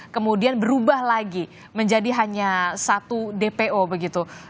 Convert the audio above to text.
kemudian berubah lagi menjadi hanya satu dpo begitu